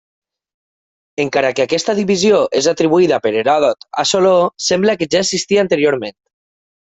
Encara que aquesta divisió és atribuïda per Heròdot a Soló sembla que ja existia anteriorment.